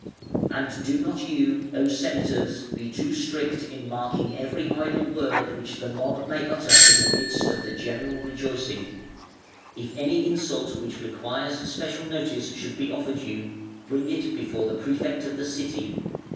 "And do not you, O Senators, be too strict in marking every idle word which the mob may utter in the midst of the general rejoicing. If any insult which requires special notice should be offered you, bring it before the Prefect of the City.